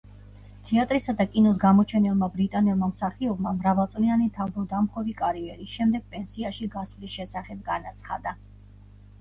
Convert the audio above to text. თეატრისა და კინოს გამოჩენილმა ბრიტანელმა მსახიობმა მრავალწლიანი თავბრუდამხვევი კარიერის შემდეგ პენსიაში გასვლის შესახებ განაცხადა.